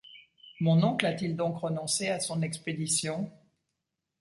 Mon oncle a-t-il donc renoncé à son expédition